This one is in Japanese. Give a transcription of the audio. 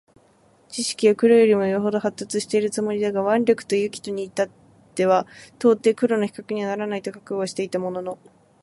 智識は黒よりも余程発達しているつもりだが腕力と勇気とに至っては到底黒の比較にはならないと覚悟はしていたものの、